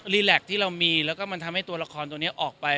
แล็กที่เรามีแล้วก็มันทำให้ตัวละครตัวนี้ออกไป